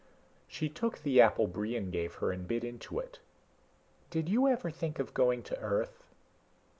She took the apple Brion gave her and bit into it. "Did you ever think of going to Earth?"